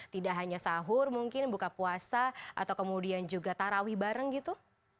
tidak hanya sahur mungkin buka puasa atau kemudian juga tarawih bareng gitu